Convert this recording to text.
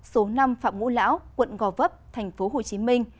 số năm phạm ngũ lão quận gò vấp tp hcm